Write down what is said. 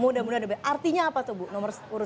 mudah mudahan the best artinya apa tuh bu nomor urut satu